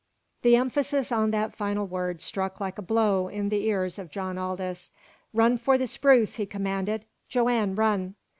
_" The emphasis on that final word struck like a blow in the ears of John Aldous. "Run for the spruce!" he commanded. "Joanne, run!"